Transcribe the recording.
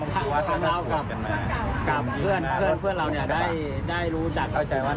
แล้วทางราวกับเพื่อนเราเนี่ยได้รู้จัก